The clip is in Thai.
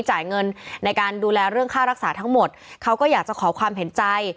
จ่ายเงินในการดูแลเรื่องค่ารักษาทั้งหมดเขาก็อยากจะขอความเห็นใจ